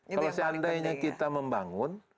kalau seandainya kita membangun